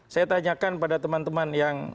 saya tanyakan pada teman teman yang